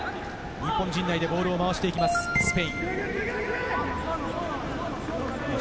日本陣内でボールを回していくスペインです。